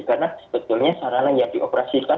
karena sebetulnya sarana yang dioperasikan